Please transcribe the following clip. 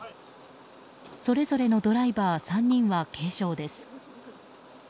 それぞれのドライバー３人は軽傷です。